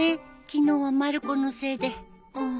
昨日はまる子のせいで。